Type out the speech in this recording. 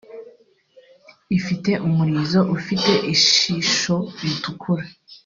Ifite umurizo ufite ishisho ritukura